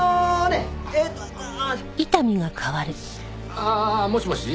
ああもしもし？